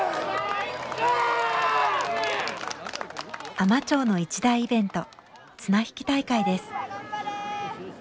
海士町の一大イベント綱引き大会です。